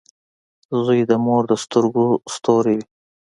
• زوی د مور د سترګو ستوری وي.